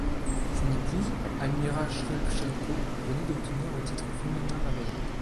Son épouse Almira Skripchenko venait d'obtenir le titre féminin la veille.